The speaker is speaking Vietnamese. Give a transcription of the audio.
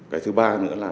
cái thứ ba nữa là